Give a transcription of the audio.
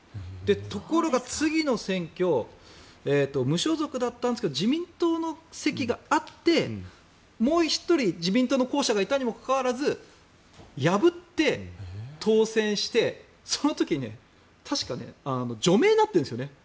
ところが次の選挙無所属だったんですが自民党の席があってもう１人、自民党の候補者がいたにもかかわらず破って当選して、その時に確か除名になってるんです。